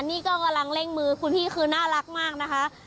นี่ก็กำลังเร่งมือคุณพี่คือน่ารักมากนะคะ